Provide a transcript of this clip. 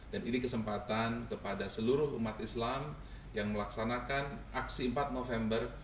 dan ini kesempatan kepada seluruh umat islam yang melaksanakan aksi empat november